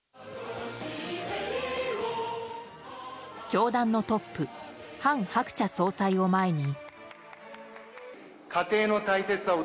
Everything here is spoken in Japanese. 教団のトップ韓鶴子総裁を前に。